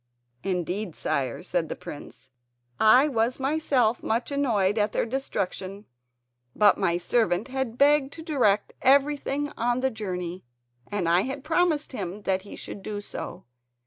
"Indeed, sire," said the prince, "I was myself much annoyed at their destruction; but my servant had begged to direct everything on the journey and I had promised him that he should do so.